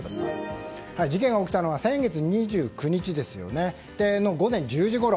事件が起きたのは先月２９日午前１０時ごろ。